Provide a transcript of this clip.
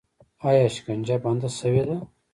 آیا شکنجه بنده شوې ده؟